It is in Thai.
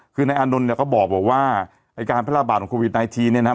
คือในอานนท์เนี้ยก็บอกว่าว่าไอ้การพระระบาทของโควิดไนทีเนี้ยนะฮะ